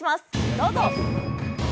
どうぞ！